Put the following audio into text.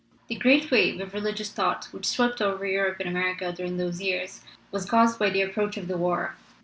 The great wave of religious thought which swept over Europe and America during those years was caused by the approach of the war.